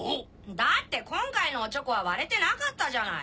だって今回のオチョコは割れてなかったじゃない。